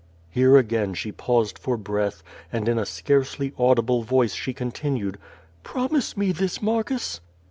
^' Here again she paused for breath, and in a scarcely au dible voice she continued: "Promise me this, Marfcus?"